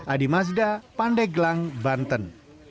adi mazda pandeglang banten